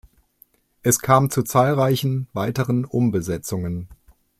Es kam zu zahlreichen weiteren Umbesetzungen.